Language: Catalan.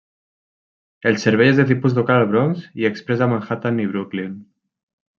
El servei és de tipus local al Bronx i exprés a Manhattan i Brooklyn.